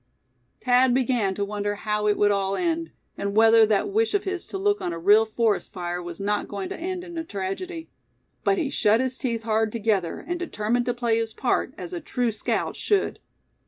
Thad began to wonder how it would all end, and whether that wish of his to look on a real forest fire was not going to end in a tragedy. But he shut his teeth hard together, and determined to play his part, as a true scout should.